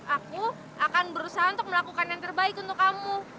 aku akan berusaha untuk melakukan yang terbaik untuk kamu